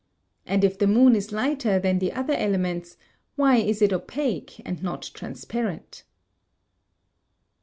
And if the moon is lighter than the other elements, why is it opaque and not transparent?